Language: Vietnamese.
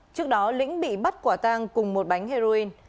trước đó lĩnh bị bắt quả tang cùng một bánh heroin